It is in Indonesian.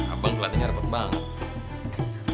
abang pelatihnya repot banget